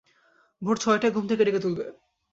ভোর ছয়টায় ঘুম থেকে ডেকে তুলবে।